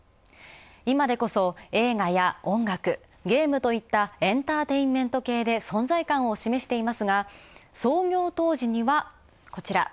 今でこそ、音楽、ゲームといったエンターテインメント系で存在感を示していますが、創業当時には、こちら。